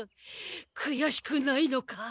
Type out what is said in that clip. くやしくないのか？